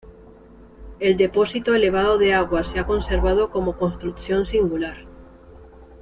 El depósito elevado de agua se ha conservado como construcción singular.